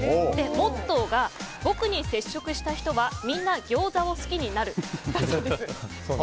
モットーが「僕に接触した人は皆、ギョーザを好きになる」だそうです。